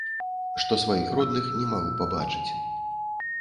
Што сваіх родных не магу пабачыць.